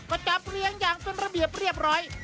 ก็จับเลี้ยงอย่างเป็นระเบียบเรียบร้อย